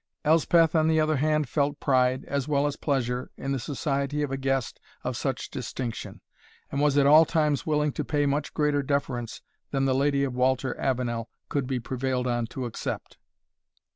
Elspeth, on the other hand, felt pride, as well as pleasure, in the society of a guest of such distinction, and was at all times willing to pay much greater deference than the Lady of Walter Avenel could be prevailed on to accept.